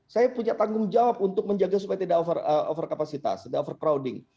saya punya tanggung jawab untuk menjaga supaya tidak over kapasitas tidak overcrowding